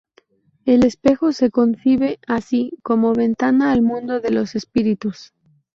El espejo se concibe, así, como ventana al mundo de los espíritus.